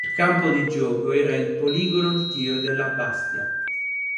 Il campo di gioco era il poligono di tiro della Bastia.